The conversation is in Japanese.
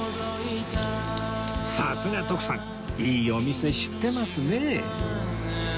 さすが徳さんいいお店知ってますね